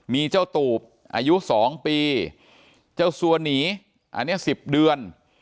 มีเจ้าตูบอายุ๒ปีเจ้าสัวหนีอันนี้๑๐เดือน